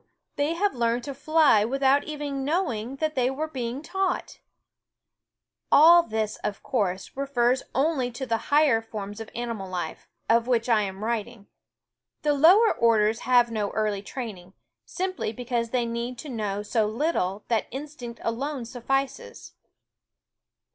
they have learned to fly without even knowing that they were All this, of course, refers only to the higher forms of animal life, of which I am writing. The lower orders have no early training, sim ply because they need to know so little that instinct alone suffices.